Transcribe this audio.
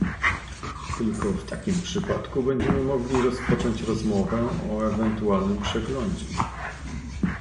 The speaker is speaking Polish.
Tylko w takim przypadku będziemy mogli rozpocząć rozmowę o ewentualnym przeglądzie